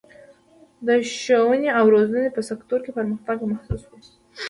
د ښوونې او روزنې په سکتور کې پرمختګ محسوس و.